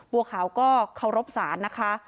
บัวขาวก็เคารพศาลนะคะ